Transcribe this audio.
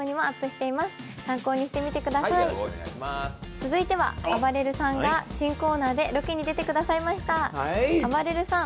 続いてはあばれるさんが新コーナーでロケに出てくださいました。